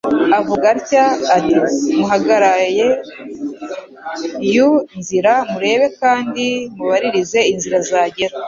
avuga atya ati : Muhagaraie yu nzira murebe kandi mubaririze inzira zagera;